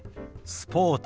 スポーツ。